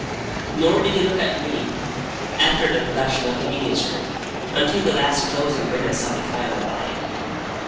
Nor did he look at me, after the production of the miniature, until the last closing minutes of the trial arrived.